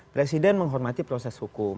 presiden menghormati proses hukum